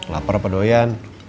laper apa doyan